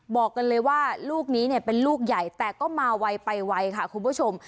บอกกันเลยว่าลูกนี้เนี่ยเป็นลูกใหญ่แต่ก็มาไวไปไวค่ะคุณผู้ชม